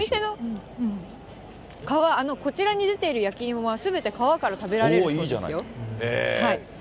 皮、こちらに出ている焼き芋はすべて皮から食べられるそうですよ。